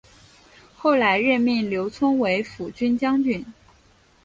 后来任命刘聪为抚军将军。